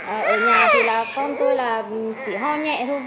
ở nhà thì con tôi chỉ ho nhẹ thôi